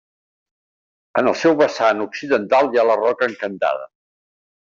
En el seu vessant occidental hi ha la Roca Encantada.